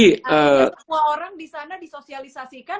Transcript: semua orang disana disosialisasikan